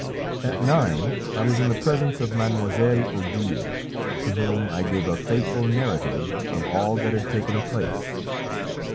At nine I was in the presence of Mademoiselle Odile, to whom I gave a faithful narrative of all that had taken place.